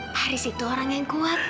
pak haris itu orang yang kuat